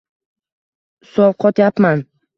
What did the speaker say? Sovqotyapman.